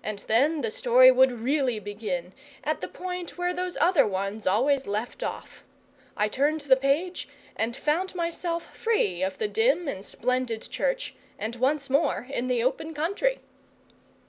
And then the story would really begin, at the point where those other ones always left off. I turned the page, and found myself free of the dim and splendid church and once more in the open country.